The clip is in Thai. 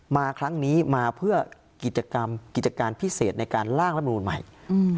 มาครั้งนี้มาเพื่อกิจกรรมกิจการพิเศษในการล่างรัฐมนูลใหม่อืม